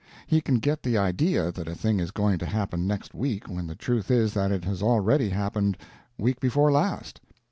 He can get the idea that a thing is going to happen next week when the truth is that it has already happened week before last.